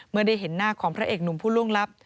เมื่อได้เห็นหน้าของพระเอกหนุ่มผู้ล่วงลับ